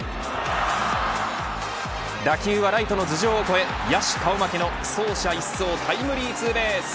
打球はライトの頭上を越え野手顔負けの走者一掃タイムリーツーベース。